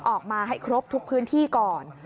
ออกมาให้ครบทุกพื้นที่ก่อน